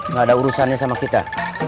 nggak ada urusannya sama kita